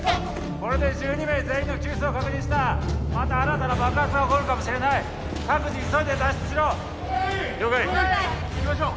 これで１２名全員の救出を確認したまた新たな爆発が起こるかもしれない各自急いで脱出しろ了解いきましょう